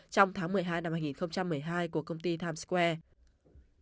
trong tháng một mươi hai năm hai nghìn một mươi hai của công ty times square